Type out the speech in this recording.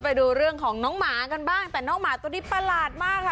ไปดูเรื่องของน้องหมากันบ้างแต่น้องหมาตัวนี้ประหลาดมากค่ะ